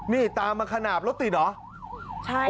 นี่ตามมาขนาดรถติดเหรอ